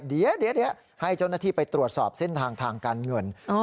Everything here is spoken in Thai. เดี๋ยวให้เจ้าหน้าที่ไปตรวจสอบเส้นทางทางการเงิน